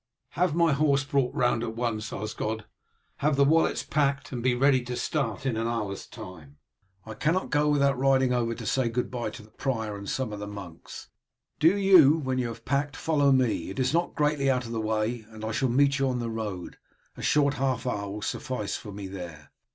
'" "Have my horse brought round at once, Osgod, have the wallets packed, and be ready to start in an hour's time. I cannot go without riding over to say good bye to the prior and some of the monks. Do you, when you have packed, follow me; it is not greatly out of the way, and I shall meet you on the road. A short half hour will suffice for me there."